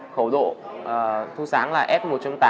khẩu độ thu sáng là f một tám